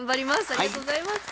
ありがとうございます。